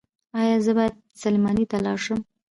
ایا زه باید سلماني ته لاړ شم؟